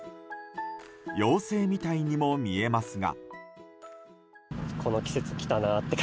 妖精みたいにも見えますが。